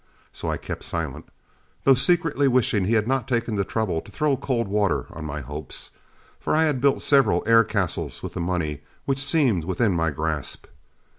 So I kept silent, though secretly wishing he had not taken the trouble to throw cold water on my hopes, for I had built several air castles with the money which seemed within my grasp.